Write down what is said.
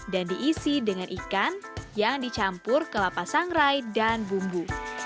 dan diisi dengan ikan yang dicampur kelapa sangrai dan bumbu